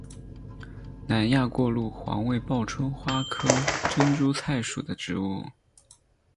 南亚过路黄为报春花科珍珠菜属的植物。